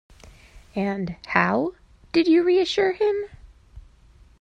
And how did you reassure him?